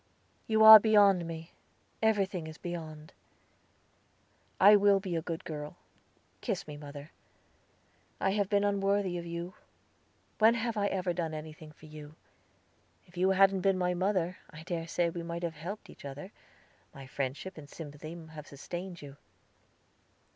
"You are beyond me; everything is beyond." "I will be a good girl. Kiss me, mother. I have been unworthy of you. When have I ever done anything for you? If you hadn't been my mother, I dare say we might have helped each other, my friendship and sympathy have sustained you.